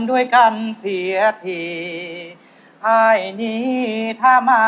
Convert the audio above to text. บอกมีรถยนต์อีหยีฟาย